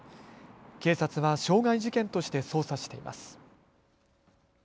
警察は傷害事件として捜査しています。